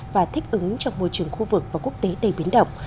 và thích ứng trong môi trường khu vực và quốc tế đầy biến động